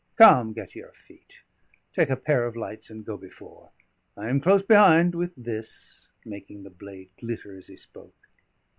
Come, get to your feet, take a pair of lights, and go before. I am close behind with this" making the blade glitter as he spoke.